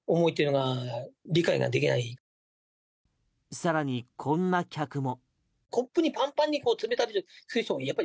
さらに、こんな客も。